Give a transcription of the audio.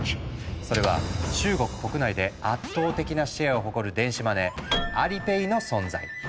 それは中国国内で圧倒的なシェアを誇る電子マネー「Ａｌｉｐａｙ」の存在。